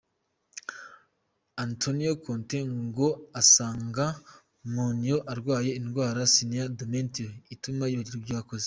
Antonio Conte ngo asanga Mournho arwaye indwara “Senile Dementia” ituma yibagirwa ibyo yakoze